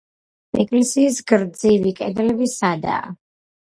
ეკლესიის გრძივი კედლები სადაა.